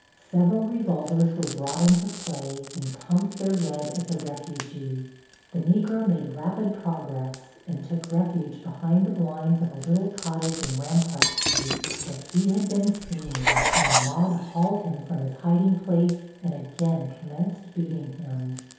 Several revolvers were brought into play and pumped their lead at the refugee. The Negro made rapid progress and took refuge behind the blinds of a little cottage in Rampart Street, but he had been seen, and the mob hauled him from his hiding place and again commenced beating him.